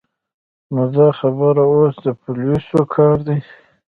نو دا خبره اوس د پولیسو کار دی.